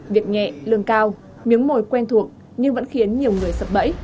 việc nhẹ lương cao miếng mồi quen thuộc nhưng vẫn khiến nhiều người sập bẫy